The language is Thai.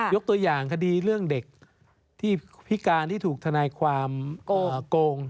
ยกตัวอย่างคดีเรื่องเด็กที่พิการที่ถูกทนายความโกง